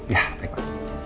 ya baik pak